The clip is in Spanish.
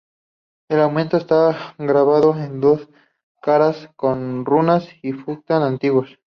El amuleto está grabado en dos caras con runas del futhark antiguo.